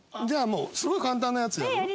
じゃあすごい簡単なやつやる？